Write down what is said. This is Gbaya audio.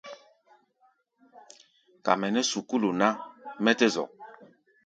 Ka mɛ nɛ́ sukúlu ná, mɛ́ tɛ́ zɔk.